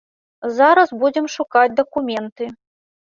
Зараз будзем шукаць дакументы.